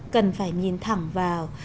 cần phải nhìn thẳng vào